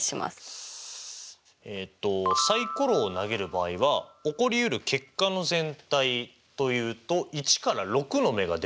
えっとサイコロを投げる場合は起こりうる結果の全体というと１から６の目が出る場合ですよね。